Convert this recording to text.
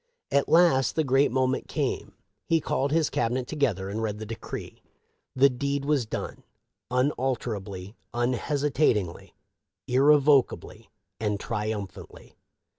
At last the great moment came. He called his Cabinet together and read the decree. The .deed was done, unalterably, unhesitatingly, irrevocably, and triumphantly.